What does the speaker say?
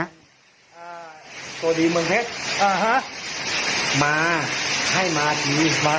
พ่อดีเหมือนเฮงศักดีถูกตัวดีเมืองเพชรอัฮะมาให้มาดีไว้